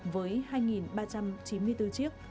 với hai ba trăm chín mươi bốn chiếc